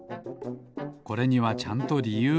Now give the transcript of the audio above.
これにはちゃんとりゆうがあるのです。